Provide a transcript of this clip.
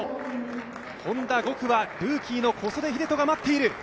Ｈｏｎｄａの５区はルーキーの小袖英人が待っている。